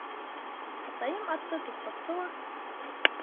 Атайым атты туҡтатты ла: